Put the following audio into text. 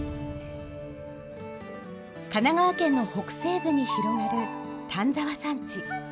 神奈川県の北西部に広がる丹沢山地。